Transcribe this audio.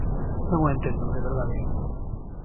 Non o entendo, de verdade.